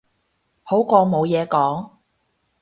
好過冇嘢講